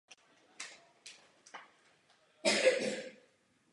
Překlad jednotlivých stupňů ze sanskrtu či páli do jazyka českého nebývá jednoznačný.